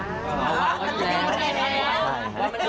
อ๋อมันดูได้